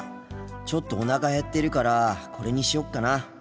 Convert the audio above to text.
ちょっとおなかへってるからこれにしよっかな。